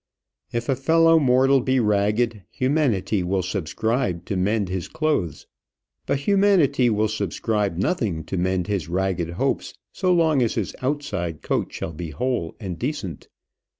If a fellow mortal be ragged, humanity will subscribe to mend his clothes; but humanity will subscribe nothing to mend his ragged hopes so long as his outside coat shall be whole and decent.